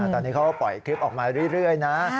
ตอนนี้เขาปล่อยคลิปออกมาเรื่อยนะ